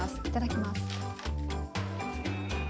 いただきます！